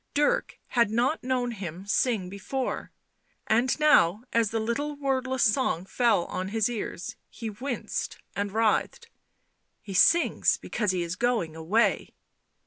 Dirk had not known him sing before, and now, as the little wordless song fell on his ears, he winced and writhed. " He sings because he is going away."